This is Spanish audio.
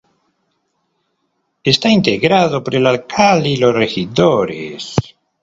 Está integrado por el alcalde y los regidores.